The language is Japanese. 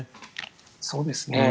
そうですね。